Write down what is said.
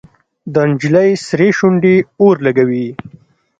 د نجلۍ سرې شونډې اور لګوي.